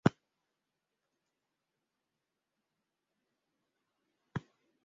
Gero harri hori hainbat lekutatik hautsi zen.